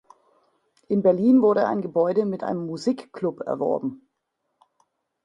In Berlin wurde ein Gebäude mit einem Musik-Club erworben.